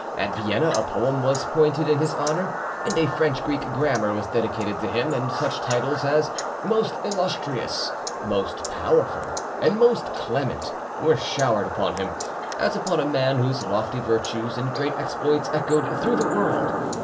At Vienna a poem was pointed in his honour, and a French Greek Grammar was dedicated to him, and such titles as "Most Illustrious," "Most Powerful," and "Most Clement," were showered upon him, as upon a man whose lofty virtues and great exploits echoed through the world.